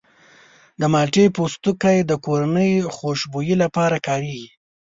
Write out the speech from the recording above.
د مالټې پوستکی د کورني خوشبویي لپاره کارېږي.